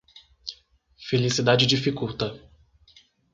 Felicidade dificulta.